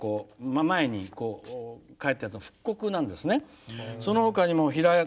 前に書いたやつの復刻なんですね。